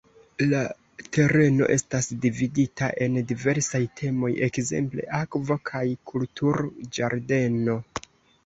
La tereno estas dividita en diversaj temoj, ekzemple "akvo- kaj kultur-ĝardeno".